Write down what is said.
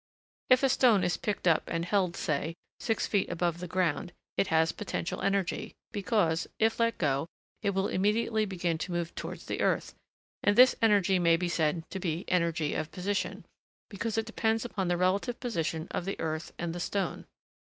If a stone is picked up and held, say, six feet above the ground, it has potential energy, because, if let go, it will immediately begin to move towards the earth; and this energy may be said to be energy of position, because it depends upon the relative position of the earth and the stone.